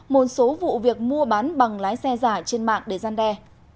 một số vụ việc mua bán bằng lái xe giả trên mạng để gian đe